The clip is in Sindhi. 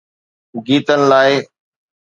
گيتن لاءِ.